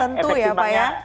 tertentu ya pak ya